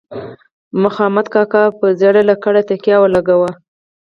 مخامد کاکا پر زیړه لکړه تکیه ولګوه.